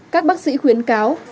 các bác sĩ khuyến cáo